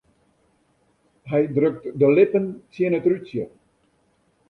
Hy drukt de lippen tsjin it rútsje.